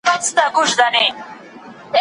که ماشوم اسهال ولري اوبه او مایعات ورکړئ.